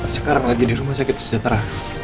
sekarang lagi di rumah sakit sejahtera